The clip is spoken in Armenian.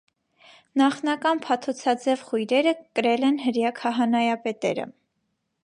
Նախնական փաթթոցաձև խույրերը կրել են հրեա քահանայապետերը։